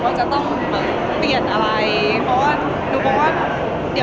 หรือถ้ามีอะไรก็จะเล็งแบบนี้